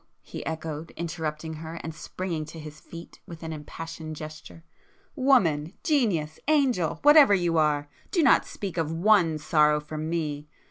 he echoed, interrupting her and springing to his feet with an impassioned gesture—"Woman,—genius,—angel, whatever you are, do not speak of one sorrow for me!